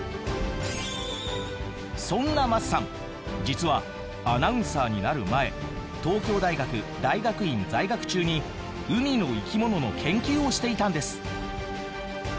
そんな桝さん実はアナウンサーになる前東京大学大学院在学中に海の生き物の研究をしていたんです。